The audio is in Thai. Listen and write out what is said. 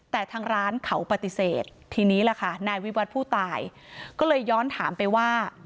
แต่ทางร้านเขาปฏิเสธทีนี้ล่ะค่ะนายวิวัตรผู้ตายก็เลยย้อนถามไปว่า